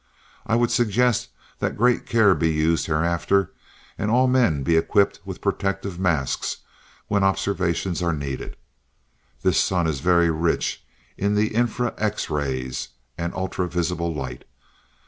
I would suggest that great care be used hereafter, and all men be equipped with protective masks when observations are needed. This sun is very rich in the infra X rays and ultra visible light.